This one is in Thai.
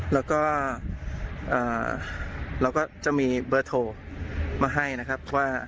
แล้วก็จะมีเบอร์โทรมาให้นะครับ